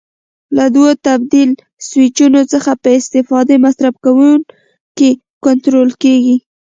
له دوو تبدیل سویچونو څخه په استفاده مصرف کوونکی کنټرول کېږي.